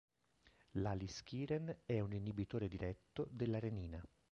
L'Aliskiren è un inibitore diretto della renina.